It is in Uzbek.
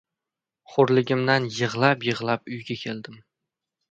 Xo‘rligimdan yig‘lab-yig‘lab uyga keldim.